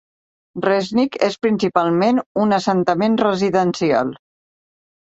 Resnik és principalment un assentament residencial.